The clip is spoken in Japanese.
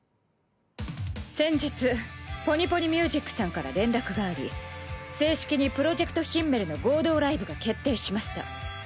先日「ポニポニミュージック」さんから連絡があり正式に「ＰｒｏｊｅｃｔＨｉｍｍｅｌ」の合同ライブが決定しました。